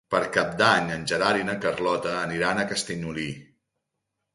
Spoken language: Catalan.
Per Cap d'Any en Gerard i na Carlota aniran a Castellolí.